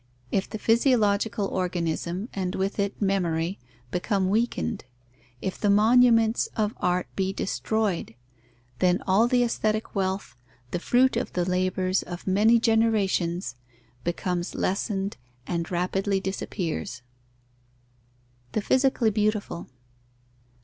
If the physiological organism, and with it memory, become weakened; if the monuments of art be destroyed; then all the aesthetic wealth, the fruit of the labours of many generations, becomes lessened and rapidly disappears. _The physically beautiful.